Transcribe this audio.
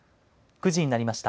９時になりました。